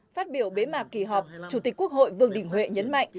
phát biểu bế mạc kỳ họp chủ tịch quốc hội vương đình huệ nhấn mạnh